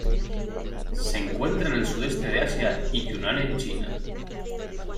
Se encuentra en el sudeste de Asia y Yunnan en China.